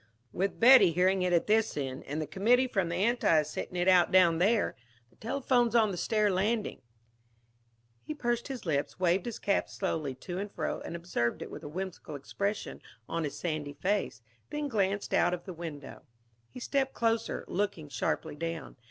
"With Betty hearing it at this end, and the committee from the Antis sitting it out down there the telephone's on the stair landing " He pursed his lips, waved his cap slowly to and fro and observed it with a whimsical expression on his sandy face, then glanced out of the window. He stepped closer, looking sharply down.